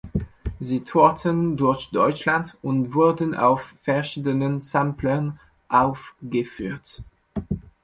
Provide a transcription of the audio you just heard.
Sie tourten durch Deutschland und wurden auf verschiedenen Samplern aufgeführt.